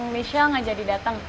misal dia nggak jadi dateng